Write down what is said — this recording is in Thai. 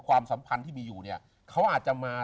ความสัมพันธ์ที่มีอยู่เนี่ยเขาอาจจะมา